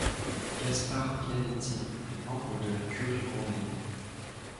Gaspare Pianetti est membre de la Curie romaine.